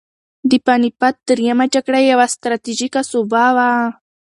د پاني پت درېیمه جګړه یوه ستراتیژیکه سوبه وه.